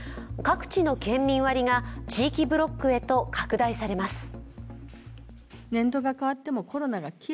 各地の県民割が地域ブロックへと拡大されます。